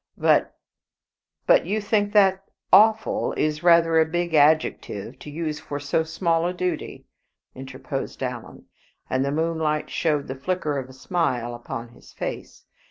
But " "But you think that 'awful' is rather a big adjective to use for so small a duty," interposed Alan, and the moonlight showed the flicker of a smile upon his face.